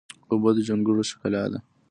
اوبه د جونګړو ښکلا ده.